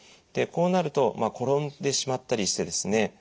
でこうなると転んでしまったりしてですね